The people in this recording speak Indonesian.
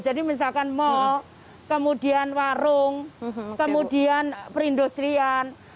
jadi misalkan mal kemudian warung kemudian perindustrian